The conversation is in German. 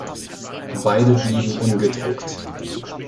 Beide blieben ungedruckt.